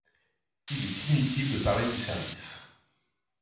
Il est inutile de parler du service.